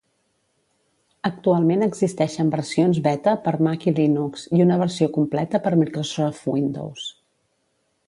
Actualment existeixen versions beta per Mac i Linux, i una versió completa per Microsoft Windows.